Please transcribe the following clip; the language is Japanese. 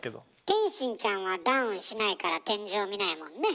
天心ちゃんはダウンしないから天井見ないもんね。